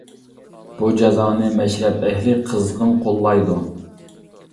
بۇ جازانى مەشرەپ ئەھلى قىزغىن قوللايدۇ.